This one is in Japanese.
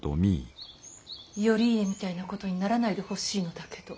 頼家みたいなことにならないでほしいのだけど。